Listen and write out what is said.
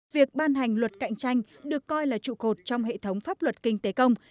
việc ban hành luật cạnh tranh được coi là trụ cột trong hệ thống pháp luật kinh tế công